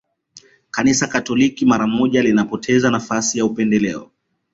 Kanisa Katoliki mara moja lilipoteza nafasi ya upendeleo